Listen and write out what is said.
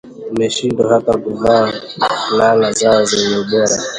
tumeshindwa hata kuvaa fulana zao zenye ubora